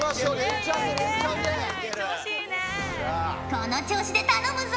この調子で頼むぞ。